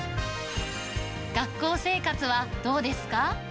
学校生活はどうですか？